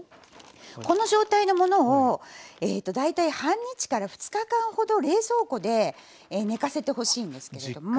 この状態のものを大体半日から２日間ほど冷蔵庫で寝かせてほしいんですけれども。